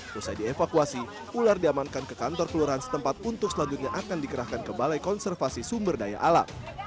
setelah dievakuasi ular diamankan ke kantor kelurahan setempat untuk selanjutnya akan dikerahkan ke balai konservasi sumber daya alam